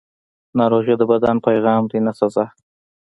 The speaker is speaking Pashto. ناروغي د بدن پیغام دی، نه سزا.